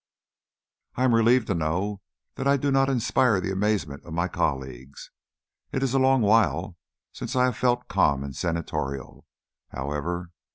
"I am relieved to know that I do not inspire the amazement of my colleagues. It is a long while since I have felt calm and senatorial, however.